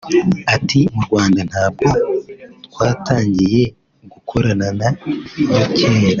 Ati “Mu Rwanda ntabwo twatangiye gukorana na yo kera